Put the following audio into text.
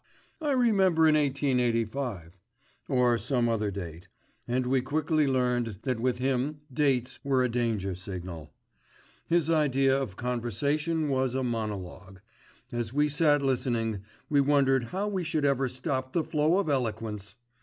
I remember in 1885," or some other date, and we quickly learned that with him dates were a danger signal. His idea of conversation was a monologue. As we sat listening, we wondered how we should ever stop the flow of eloquence.